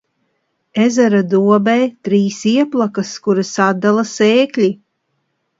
Ezera dobē trīs ieplakas, kuras atdala sēkļi.